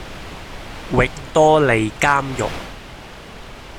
域多利監獄